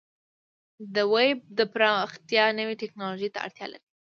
د ویب پراختیا نوې ټکنالوژۍ ته اړتیا لري.